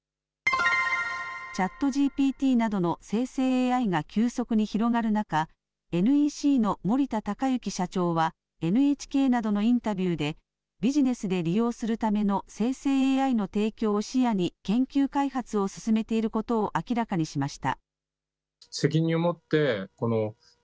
ＣｈａｔＧＰＴなどの生成ＡＩが急速に広がる中ＮＥＣの森田隆之社長はＮＨＫなどのインタビューでビジネスで利用するための生成ＡＩの提供を視野に研究開発を進めていることを明らかにしました。